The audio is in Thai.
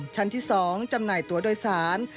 ชั้นที่๒จำหน่ายตัวโดยสาร